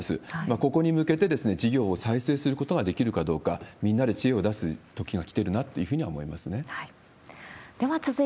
ここに向けて事業を再生することができるかどうか、みんなで知恵を出すときが来てるなというふうには思いますね。